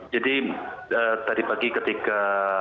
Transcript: jadi tadi pagi ketika